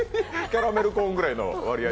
キャラメルコーンぐらいの割合。